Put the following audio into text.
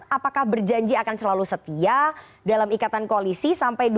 apakah berjanji akan selalu setia dalam ikatan koalisi sampai dua ribu dua puluh empat